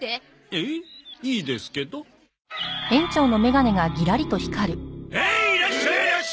へーいらっしゃいらっしゃい！